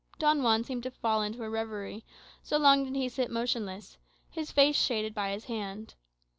Don Juan seemed to fall into a reverie, so long did he sit motionless, his face shaded by his hand.